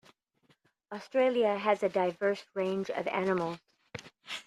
Australia has a diverse range of animals.